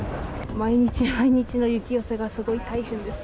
毎日毎日の雪寄せがすごい大変です。